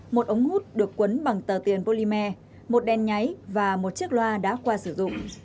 một ống hút được quấn bằng tờ tiền polymer một đèn nháy và một chiếc loa đã qua sử dụng